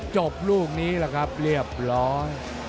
ลูกนี้แหละครับเรียบร้อย